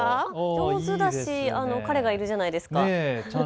上手だし彼がいるじゃないですか。